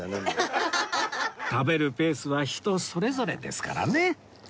食べるペースは人それぞれですからね